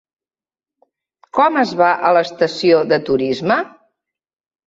Com es va a l'estació de turisme?